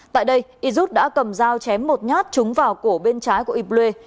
tại đây yrút đã cầm dao chém một nhát trúng vào cổ bên trái của yblê